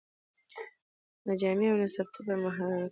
نه جامې او نه څپلۍ په محله کي